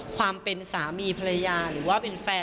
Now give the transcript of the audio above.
ความเป็นสามีภรรยาหรือว่าเป็นแฟน